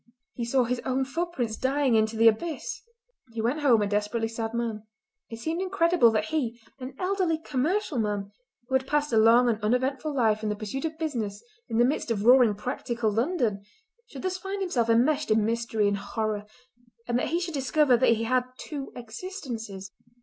he saw his own footprints dying into the abyss! He went home a desperately sad man. It seemed incredible that he, an elderly commercial man, who had passed a long and uneventful life in the pursuit of business in the midst of roaring, practical London, should thus find himself enmeshed in mystery and horror, and that he should discover that he had two existences.